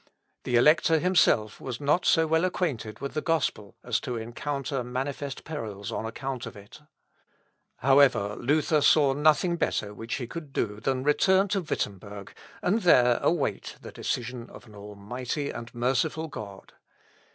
The Elector himself was not so well acquainted with the gospel as to encounter manifest perils on account of it. However, Luther saw nothing better which he could do than return to Wittemberg, and there await the decision of an almighty and merciful God.